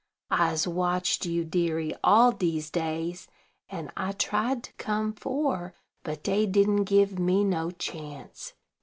I'se watched you, deary, all dese days; and I tried to come 'fore, but dey didn't give me no chance."